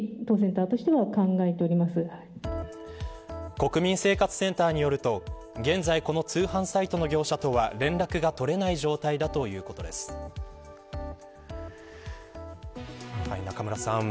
国民生活センターによると現在、この通販サイトの業者とは連絡が取れない状態だ中村さん。